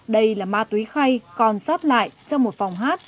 đây là ma túy khay còn sót lại trong một phòng hát